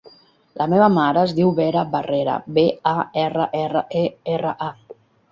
La meva mare es diu Vera Barrera: be, a, erra, erra, e, erra, a.